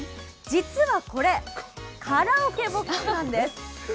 実はこれ、カラオケボックスなんです。